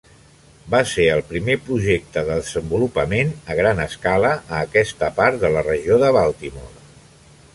Va ser el primer projecte de desenvolupament a gran escala a aquesta part de la regió de Baltimore.